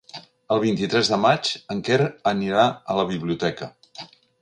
El vint-i-tres de maig en Quer anirà a la biblioteca.